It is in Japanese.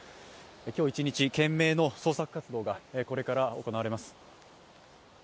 今日一日、懸命の捜索活動がこれから行われます。